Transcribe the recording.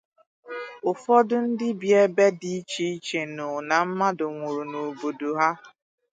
Ụfọdụ ndị bi ebe dị iche iche nụ na mmadụ nwụrụ n'obodo ha